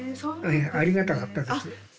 ええありがたかったです。